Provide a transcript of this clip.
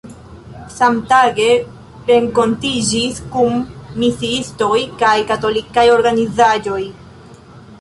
Samtage renkontiĝis kun misiistoj kaj katolikaj organizaĵoj.